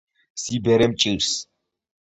სიბერე მჭირს